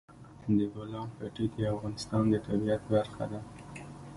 د بولان پټي د افغانستان د طبیعت برخه ده.